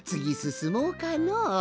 すもうかの。